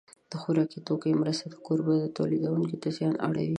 د خوراکي توکو مرستې د کوربه تولیدوونکو ته زیان اړوي.